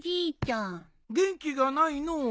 元気がないのう。